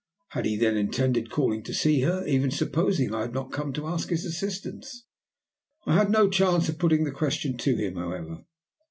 Had he then intended calling to see her, even supposing I had not come to ask his assistance? I had no chance of putting the question to him, however.